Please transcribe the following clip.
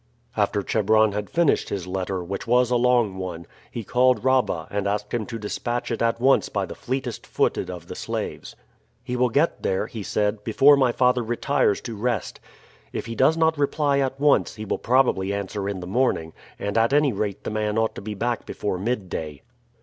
After Chebron had finished his letter, which was a long one, he called Rabah and asked him to dispatch it at once by the fleetest footed of the slaves. "He will get there," he said, "before my father retires to rest. If he does not reply at once, he will probably answer in the morning, and at any rate the man ought to be back before midday."